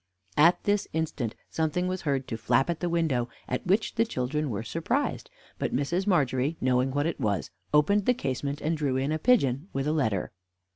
At this instant something was heard to flap at the window, at which the children were surprised; but Mrs. Margery, knowing what it was, opened the casement, and drew in a pigeon with a letter.